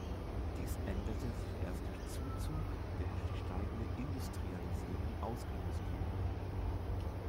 Dies änderte sich erst durch Zuzug, der durch die steigende Industrialisierung ausgelöst wurde.